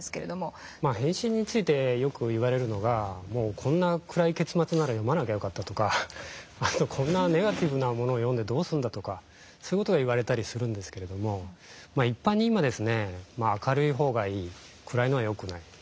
「変身」についてよく言われるのが「こんな暗い結末なら読まなきゃよかった」とか「こんなネガティブなものを読んでどうするんだ」とかそういう事が言われたりするんですけれども一般に今明るい方がいい暗いのはよくない。